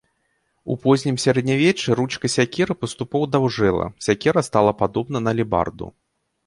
У познім сярэднявеччы ручка сякеры паступова даўжэла, сякера стала падобна на алебарду.